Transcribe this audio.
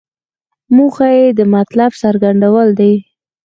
موخه یې د مطلب څرګندول دي.